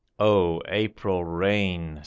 O April rain !